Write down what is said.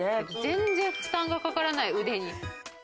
全然負担がかからない腕に。